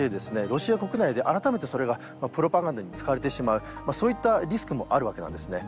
ロシア国内で改めてそれがプロパガンダに使われてしまうそういったリスクもあるわけなんですね